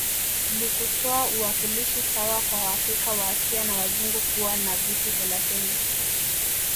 Likutoa uwakilishi sawa kwa waafrika waasia na wazungu kuwa na viti thelathini